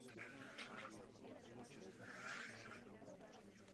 Měli bychom stát na straně pracujících v Číně.